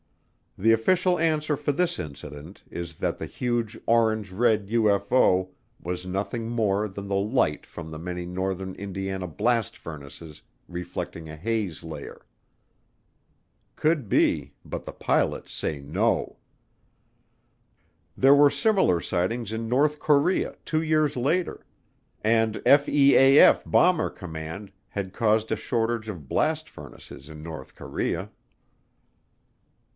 The official answer for this incident is that the huge orange red UFO was nothing more than the light from the many northern Indiana blast furnaces reflecting a haze layer. Could be, but the pilots say no. There were similar sightings in North Korea two years later and FEAF Bomber Command had caused a shortage of blast furnaces in North Korea.